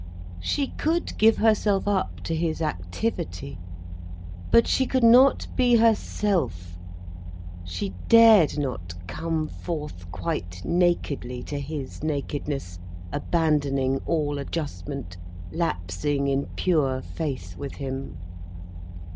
She could give herself up to his activity. But she could not be herself, she dared not come forth quite nakedly to his nakedness, abandoning all adjustment, lapsing in pure faith with him.